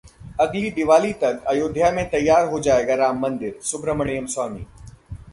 अगली दिवाली तक अयोध्या में तैयार हो जाएगा राम मंदिर: सुब्रह्मण्यम स्वामी